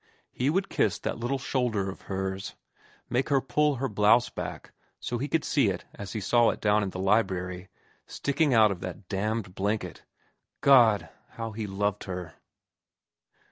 He would kiss that little shoulder of hers, make her pull her blouse back so that he could see it as he saw it down in the library, sticking out of that damned blanket God, how he loved her.